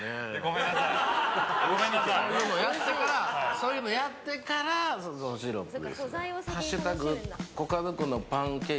そういうのやってからシロップ。